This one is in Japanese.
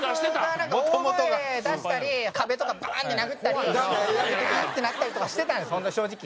大声出したり壁とかバン！って殴ったりうーん！ってなったりとかしてたんです本当正直。